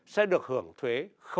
sẽ được hưởng thuế